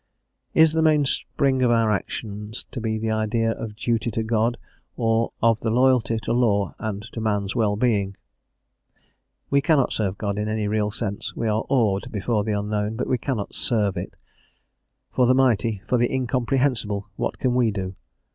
"Is the mainspring of our actions to be the idea of duty to God, or the of loyalty to law and to man's well being?" We cannot serve God in any real sense; we are awed before the Unknown, but we cannot serve it. For the Mighty, for the Incomprehensible, what can we do?